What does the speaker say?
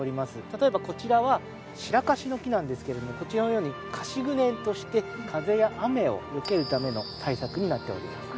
例えばこちらはシラカシの木なんですけれどもこちらのように「樫ぐね」として風や雨をよけるための対策になっております。